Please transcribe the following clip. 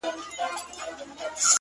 ه زه د دوو مئينو زړو بړاس يمه،